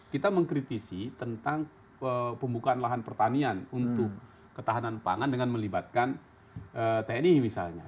kita mengkritisi tentang pembukaan lahan pertanian untuk ketahanan pangan dengan melibatkan tni misalnya